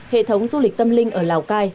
hệ thống du lịch tâm linh ở lào cai